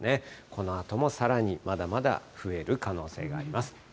このあともさらに、まだまだ増える可能性があります。